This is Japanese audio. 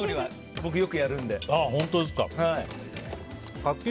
僕これよくやるんで。